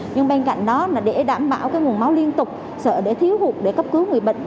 nhưng bên cạnh đó để đảm bảo nguồn máu liên tục sợ thiếu hụt để cấp cứu người bệnh